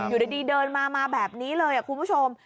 อยู่ดีเดินมามาแบบนี้เลยคุณผู้ชม